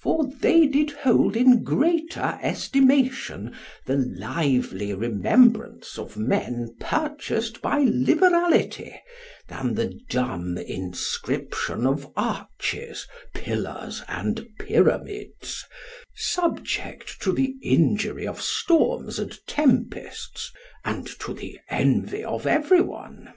For they did hold in greater estimation the lively remembrance of men purchased by liberality than the dumb inscription of arches, pillars, and pyramids, subject to the injury of storms and tempests, and to the envy of everyone.